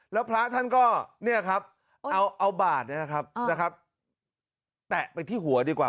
แล้วพระท่านก็เนี่ยครับเอาบาดนะครับแตะไปที่หัวดีกว่า